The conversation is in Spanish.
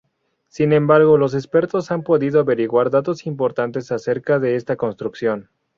Sin embargo, los expertos han podido averiguar datos importantes acerca de esta construcción.